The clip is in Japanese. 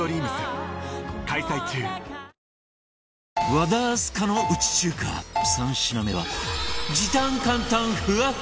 和田明日香のうち中華３品目は